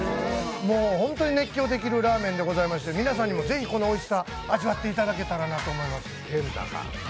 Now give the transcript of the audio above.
本当に熱狂できるラーメンでございまして、皆さんにもぜひこのおいしさ味わっていただけたらと思います。